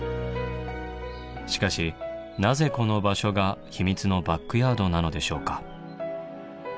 しかしなぜこの場所が秘密のバックヤードなのでしょうか。